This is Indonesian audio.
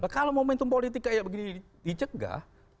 kalau momentum politik kayak begini dicegah